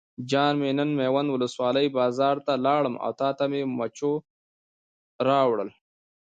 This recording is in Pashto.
جان مې نن میوند ولسوالۍ بازار ته لاړم او تاته مې مچو راوړل.